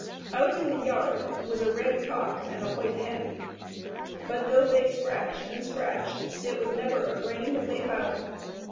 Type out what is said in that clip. Out in the yard was a red cock and a white hen, but though they scratched and scratched it was never a grain that they found.